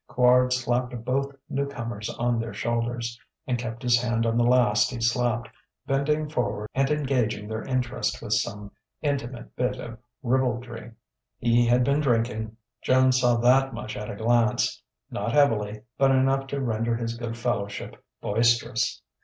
Quard slapped both newcomers on their shoulders, and kept his hand on the last he slapped, bending forward and engaging their interest with some intimate bit of ribaldry. He had been drinking Joan saw that much at a glance not heavily, but enough to render his good fellowship boisterous.